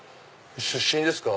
出身ですか？